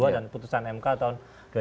dan putusan mk tahun dua ribu sembilan